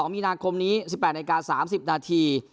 มีนาคมนี้๑๘นาที๓๐นาที